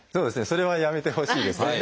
それはやめてほしいですね。